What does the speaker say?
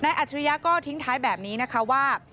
ในอัจฉริยาก็ทิ้งท้ายแบบนี้ว่า